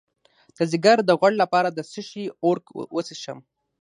د ځیګر د غوړ لپاره د څه شي عرق وڅښم؟